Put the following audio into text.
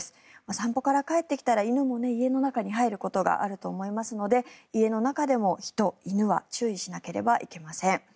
散歩から帰ってきたら犬も家の中に入ることがあると思いますので家の中でも人、犬は注意しなければいけません。